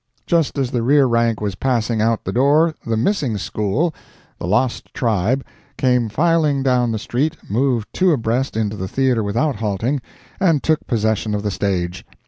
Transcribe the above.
Just as the rear rank was passing out at the door, the missing School—the lost tribe—came filing down the street, moved two abreast into the theatre without halting, and took possession of the stage.